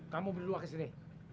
kamu berdua ke sini